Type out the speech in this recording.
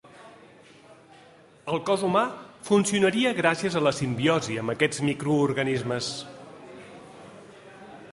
El cos humà funcionaria gràcies a la simbiosi amb aquests microorganismes.